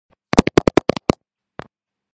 ქვეყანას აქვს საკუთარი რაგბის ლიგა.